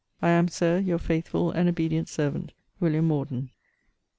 I am, Sir, Your faithful and obedient servant, WILLIAM MORDEN.